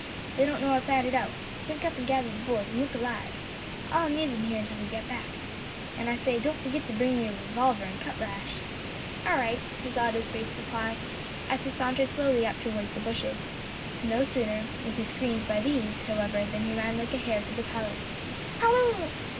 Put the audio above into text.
They don't know I've found it out. Slink up an' gather the boys, an' look alive. I'll amuse 'em here till you come back. An' I say, don't forgit to bring me revolver an' cutlash." "All right," was Otto's brief reply, as he sauntered slowly up towards the bushes. No sooner was he screened by these, however, than he ran like a hare to the palace. "Halloo!